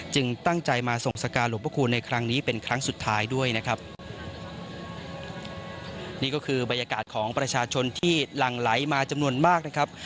ตั้งใจมาส่งสการหลวงพระคูณในครั้งนี้เป็นครั้งสุดท้ายด้วยนะครับนี่ก็คือบรรยากาศของประชาชนที่หลั่งไหลมาจำนวนมากนะครับ